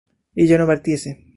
ella no partiese